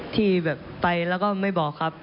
ที่แบบไปแล้วก็ไม่บอกครับ